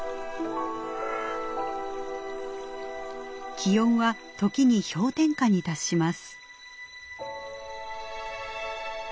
気温は時に氷点下に達します。